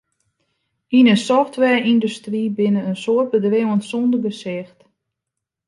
Yn 'e softwareyndustry binne in soad bedriuwen sonder gesicht.